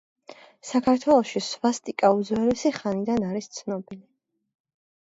საქართველოში სვასტიკა უძველესი ხანიდან არის ცნობილი.